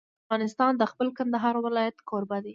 افغانستان د خپل کندهار ولایت کوربه دی.